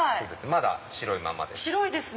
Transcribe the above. まだ白いまんまです。